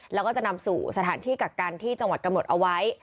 แล้วก็จะนำสู่สถานที่กักกันที่จังหวัดกำหนดเอาไว้